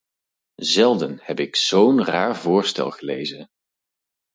Zelden heb ik zo'n raar voorstel gelezen.